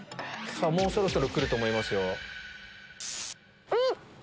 そろそろくると思いますよ。